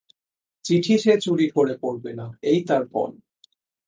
চিঠি সে চুরি করে পড়বে না এই তার পণ।